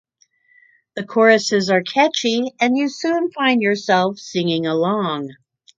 The choruses are catchy and you soon find yourself singing along.